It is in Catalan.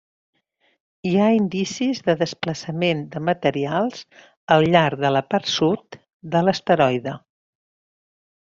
Hi ha indicis de desplaçament de materials al llarg de la part sud de l'asteroide.